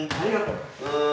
うん。